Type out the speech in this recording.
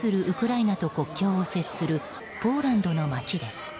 ウクライナと国境を接するポーランドの街です。